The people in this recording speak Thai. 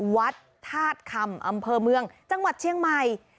วัดธาตุคำอำเภอเมืองจังหวัดเชียงใหม่